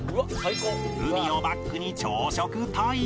海をバックに朝食タイム